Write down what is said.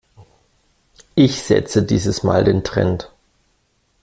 Ich setze dieses mal den Trend.